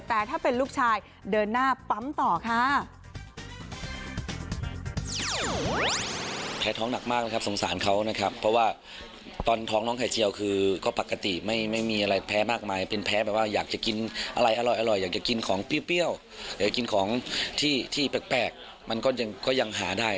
อยากจะกินของเปรี้ยวอยากจะกินของที่แปลกมันก็ยังหาได้